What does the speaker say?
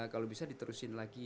kalau bisa diterusin lagi